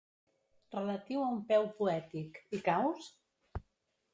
Relatiu a un peu poètic, hi caus?